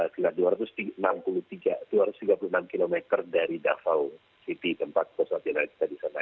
sekitar dua ratus tiga puluh enam km dari davao city tempat pusat latihan kita di sana